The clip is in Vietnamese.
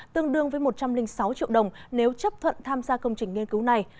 tương đương với một trăm linh sáu triệu đồng nếu chấp thuận tham gia công trình nghiên cứu này